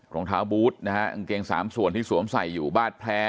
รองเท้าบูธนะฮะกางเกงสามส่วนที่สวมใส่อยู่บ้านแพ้